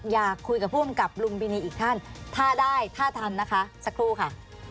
อยากคุยกับผู้กำกับลุงบินีอีกท่านถ้าได้ถ้าทันนะคะสักครู่ค่ะ